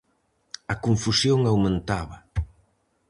A confusión aumentaba.